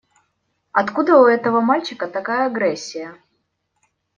Откуда у этого мальчика такая агрессия?